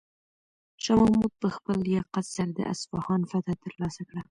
شاه محمود په خپل لیاقت سره د اصفهان فتحه ترلاسه کړه.